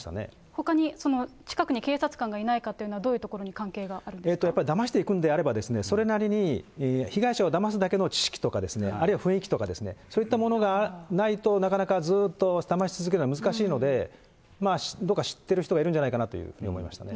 ほかに、近くに警察官がいないかっていうのはどういうところに関係があるだましていくんであればですね、それなりに被害者をだますだけの知識とか、あるいは雰囲気とかですね、そういったものがないと、なかなかずっとだまし続けるのは難しいので、僕は知っている人がいるんじゃないかなというふうに思いましたね。